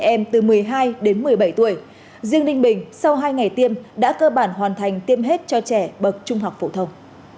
trẻ em từ một mươi hai đến một mươi bảy tuổi riêng ninh bình sau hai ngày tiêm đã cơ bản hoàn thành tiêm hết cho trẻ bậc trung học phổ thông